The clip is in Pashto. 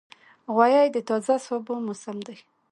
غویی د تازه سابو موسم دی.